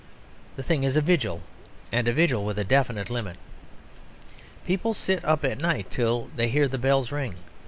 The thing is a vigil and a vigil with a definite limit. People sit up at night until they hear the bells ring.